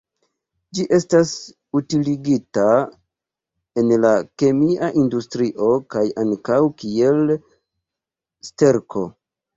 Ĝi estas utiligita en la kemia industrio kaj ankaŭ kiel sterko.